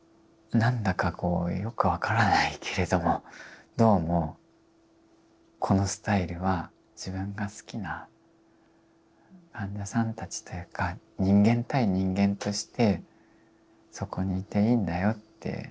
何だかこうよく分からないけれどもどうもこのスタイルは自分が好きな患者さんたちというか人間対人間としてそこにいていいんだよって。